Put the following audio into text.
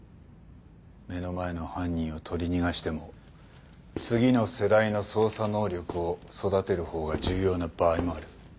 目の前の犯人を取り逃がしても次の世代の捜査能力を育てる方が重要な場合もある。